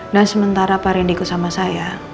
dan sementara farindi ikut sama saya